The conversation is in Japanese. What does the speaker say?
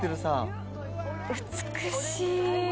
美しい。